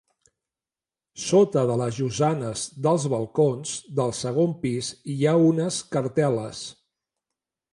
Sota de les llosanes dels balcons del segon pis hi ha unes cartel·les.